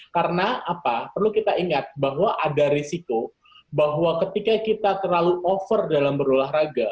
karena perlu kita ingat bahwa ada risiko bahwa ketika kita terlalu over dalam berolahraga